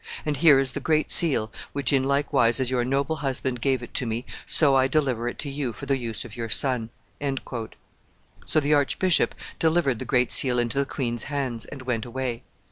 And here is the great seal, which, in like wise as your noble husband gave it to me, so I deliver it to you for the use of your son." So the archbishop delivered the great seal into the queen's hands, and went away.